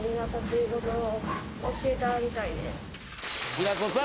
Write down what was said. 平子さん